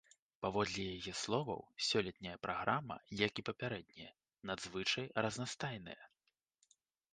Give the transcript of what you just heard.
Паводле яе словаў, сёлетняя праграма, як і папярэднія, надзвычай разнастайныя.